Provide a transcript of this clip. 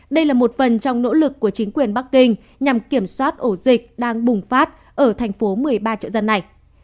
đây là một phần trong nỗ lực của chính quyền bắc kinh nhằm kiểm soát ổ dịch đang bùng phát ở thành phố một mươi ba chợ dân này